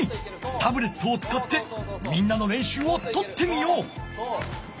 タブレットをつかってみんなのれんしゅうをとってみよう！